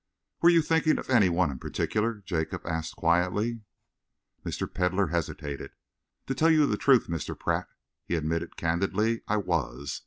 "Were you thinking of any one in particular?" Jacob asked quietly. Mr. Pedlar hesitated. "To tell you the truth, Mr. Pratt," he admitted candidly, "I was.